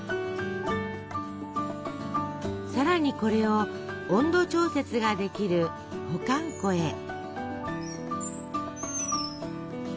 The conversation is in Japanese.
さらにこれを温度調節ができる保管庫へ。